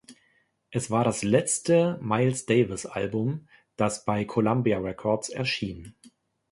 Es war das letzte Miles-Davis-Album, das bei Columbia Records erschien.